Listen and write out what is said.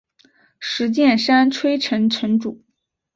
石见山吹城城主。